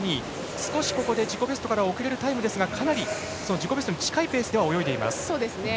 少し自己ベストから遅れるタイムですがかなり、自己ベストに近いペースで泳いでいます。